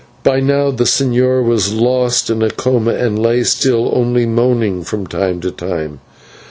By now the señor was lost in a coma and lay still, only moaning from time to time.